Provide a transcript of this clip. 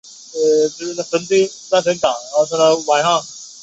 此次战役以中国军队失败而告终。